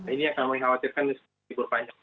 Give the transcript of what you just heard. ini yang kami khawatirkan di libur panjang